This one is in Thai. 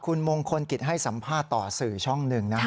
คุณมงคลกิจให้สัมภาษณ์ต่อสื่อช่องหนึ่งนะครับ